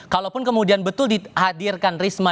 kalaupun kemudian betul dihadirkan risma